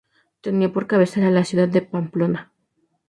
Tenía por cabecera a la ciudad de Pamplona.